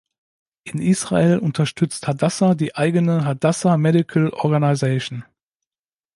In Israel unterstützt Hadassah die eigene Hadassah Medical Organisation.